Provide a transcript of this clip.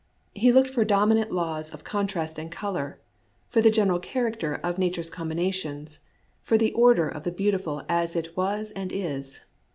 He looked for dominant laws of con trast and color, for the general character of nature's combinations, for the order of the beautiful as it was and is.